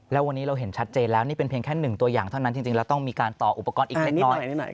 แล้ววันนี้เราเห็นชัดเจนแล้วนี่เป็นเพียงแค่หนึ่งตัวอย่างเท่านั้นจริงแล้วต้องมีการต่ออุปกรณ์อีกเล็กน้อย